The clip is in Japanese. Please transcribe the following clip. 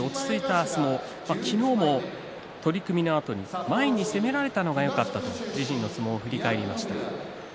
昨日も取組のあと前に攻められたのがよかったと自身の相撲を振り返りました。